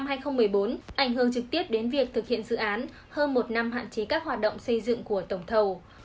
ảnh hưởng trực tiếp đến việc thực hiện dự án hơn một năm hạn chế các hoạt động xây dựng của tổng thầu